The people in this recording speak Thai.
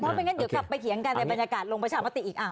ไม่งั้นเดี๋ยวกลับไปเถียงกันในบรรยากาศลงประชามติอีก